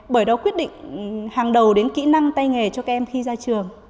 bởi đó quyết định hàng đầu đến kỹ năng tay nghề cho các em khi ra trường